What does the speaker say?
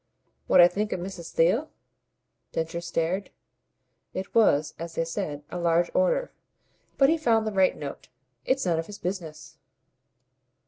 "What I think of Miss Theale?" Densher stared. It was, as they said, a large order. But he found the right note. "It's none of his business."